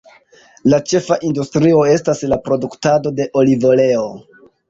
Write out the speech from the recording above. La ĉefa industrio estas la produktado de olivoleo.